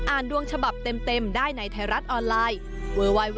ดวงฉบับเต็มได้ในไทยรัฐออนไลน์